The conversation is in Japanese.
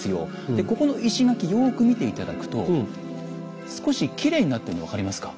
でここの石垣よく見て頂くと少しきれいになってるの分かりますか？